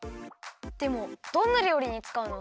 でもどんなりょうりにつかうの？